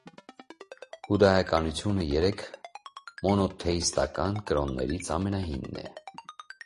Հուդայականությունը երեք մոնոթեիստական կրոններից ամենահինն է։